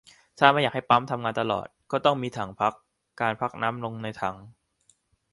และถ้าไม่อยากให้ปั๊มทำงานตลอด ก็ต้องมีถังพัก การพักน้ำลงในถัง